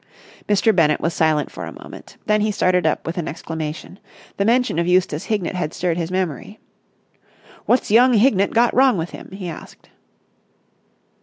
Mr. Bennett was silent for a moment. Then he started up with an exclamation. The mention of Eustace Hignett had stirred his memory. "What's young Hignett got wrong with him?" he asked.